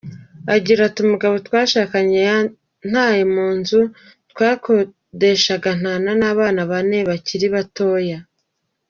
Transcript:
Agira ati “Umugabo twashakanye yantaye mu nzu twakodeshaga, antana abana bane bakiri batoya.